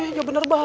eh ya bener baik